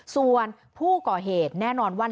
ส่วนผู้ก่อเหตุแน่นอนว่า